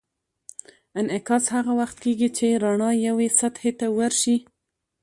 انعکاس هغه وخت کېږي چې رڼا یوې سطحې ته ورشي.